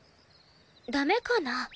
ダメかな？